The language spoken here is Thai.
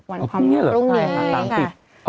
วันพรุ่งนี้เหรอ